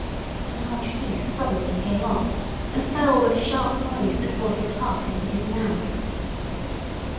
A large piece suddenly came off and fell with a sharp noise that brought his heart into his mouth.